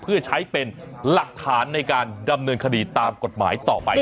เพื่อใช้เป็นหลักฐานในการดำเนินคดีตามกฎหมายต่อไป